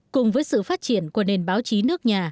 cùng với sự phát triển của nền báo chí nước nhà